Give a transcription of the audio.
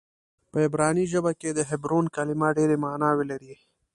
په عبراني ژبه کې د حبرون کلمه ډېرې معناوې لري.